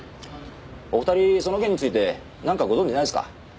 お二人その件について何かご存じないですか？